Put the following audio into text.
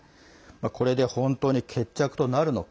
これで本当に決着となるのか。